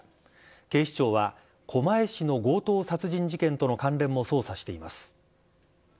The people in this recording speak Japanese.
警視庁は狛江市の強盗殺人事件との関連も捜査しています。